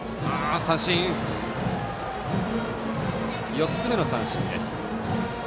４つ目の三振です。